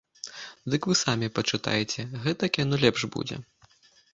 Дык вы самі пачытайце, гэтак яно лепш будзе.